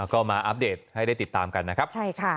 ก็มาอัปเดตให้ได้ติดตามกันนะครับใช่ค่ะ